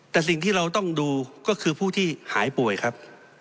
แต่สิ่งที่เราต้องดูก็คือผู้ที่หายป่วยครับ